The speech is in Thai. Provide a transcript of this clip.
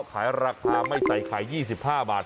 ขายราคาไม่ใส่ไข่๒๕บาท